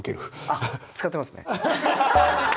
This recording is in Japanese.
あっ使ってますね。